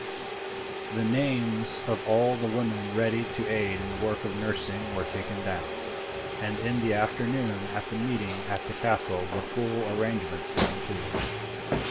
The names of all the women ready to aid in the work of nursing were taken down, and in the afternoon at the meeting at the castle the full arrangements were completed.